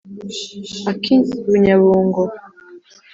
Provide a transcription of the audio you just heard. Ak'i Bunyabungo